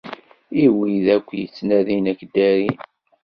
I wid akk yettnadin ad k-ddarin.